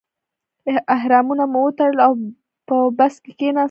احرامونه مو وتړل او په بس کې کیناستو.